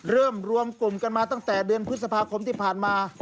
รวมกลุ่มกันมาตั้งแต่เดือนพฤษภาคมที่ผ่านมา